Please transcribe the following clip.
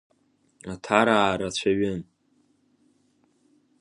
Аҭараа рацәаҩын.